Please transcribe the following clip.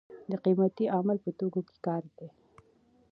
د قیمتۍ عامل په توکو کې کار دی.